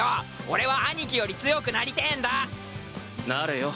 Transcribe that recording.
俺は兄貴より強くなりてぇんだなれよ